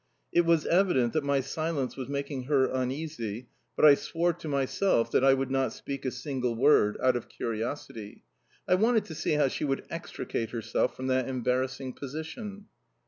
It was evident that my silence was making her uneasy, but I swore to myself that I would not speak a single word out of curiosity. I wanted to see how she would extricate herself from that embarrassing position.